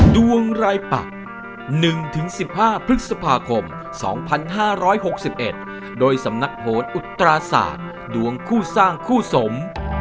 ดวงรายปัก๑๑๕พฤษภาคม๒๕๖๑โดยสำนักโหนอุตราศาสตร์ดวงคู่สร้างคู่สม